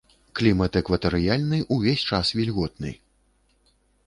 Клімат экватарыяльны, увесь час вільготны.